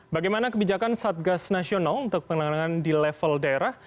bagaimana kebijakan satgas nasional untuk penanganan di level daerah